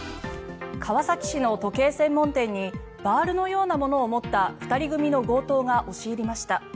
川越市の時計専門店にバールのようなものを持った２人組の強盗が押し入りました。